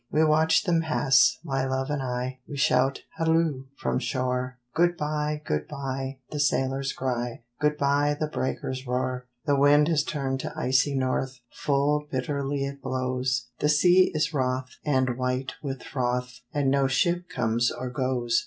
We watch them pass, my love and I; We shout Halloo! from shore. Good bye! Good bye! the sailors cry; Good bye! the breakers roar. The wind has turned to icy north, Full bitterly it blows; The sea is wroth, and white with froth, And no ship comes or goes.